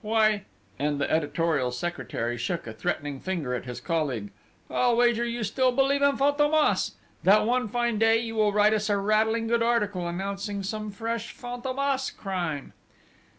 Why ," and the editorial secretary shook a threatening finger at his colleague: "I'll wager you still believe in Fantômas!... That one fine day you will write us a rattling good article, announcing some fresh Fantômas crime!"